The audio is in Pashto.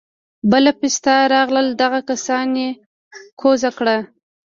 بله پسته راغله دغه کسان يې کوز کړه.